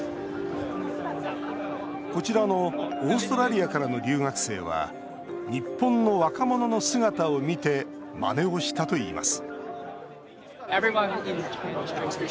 こちらのオーストラリアからの留学生は日本の若者の姿を見てまねをしたといいます